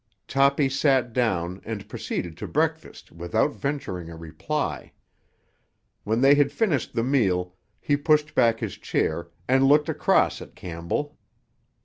Toppy sat down and proceeded to breakfast without venturing a reply. When they had finished the meal he pushed back his chair and looked across at Campbell.